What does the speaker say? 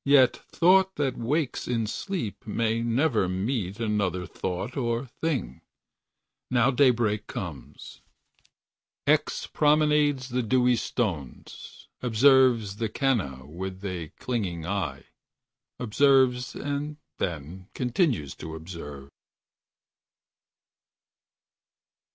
Yet thought that wakes In sleep may never meet another thought Or thing ... Now day break comes ... X promenades the dewy stones. Observes the canna with a clinging eye. Observes and then continues to observe.